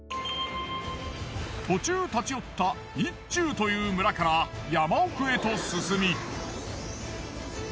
途中立ち寄った一宇という村から山奥へと進み。